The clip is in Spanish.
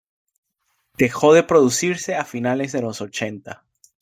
Dejó de producirse a finales de los ochenta.